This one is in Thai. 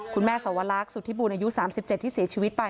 คุณแม่สวรรคสุทธิบูรณายุ๓๗ที่๔ชีวิตไป